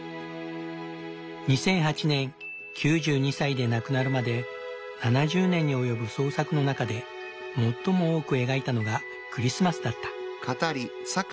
２００８年９２歳で亡くなるまで７０年に及ぶ創作の中で最も多く描いたのがクリスマスだった。